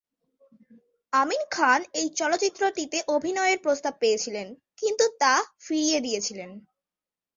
আমিন খান এই চলচ্চিত্রটিতে অভিনয়ের প্রস্তাব পেয়েছিলেন, কিন্তু তা ফিরিয়ে দিয়েছিলেন।